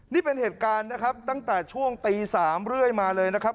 นี่เป็นเหตุการณ์นะครับตั้งแต่ช่วงตี๓เรื่อยมาเลยนะครับ